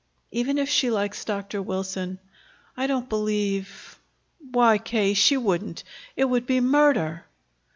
"Even if she likes Dr. Wilson, I don't believe Why, K., she wouldn't! It would be murder."